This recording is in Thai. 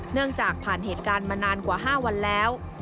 เนื่องจากผ่านเหตุการณ์มานานกว่า๕วันแล้ว